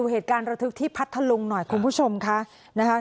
เหตุการณ์ระทึกที่พัทธลุงหน่อยคุณผู้ชมค่ะนะคะ